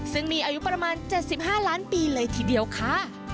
ซึ่งมีอายุประมาณ๗๕ล้านปีเลยทีเดียวค่ะ